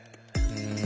うん。